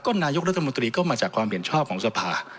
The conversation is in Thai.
นายกรัฐมนตรีก็มาจากความเห็นชอบของสภา